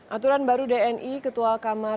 aturan baru dni ketua kamar